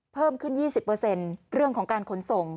เพิ่มขึ้น๒๐เรื่องของการขนส่ง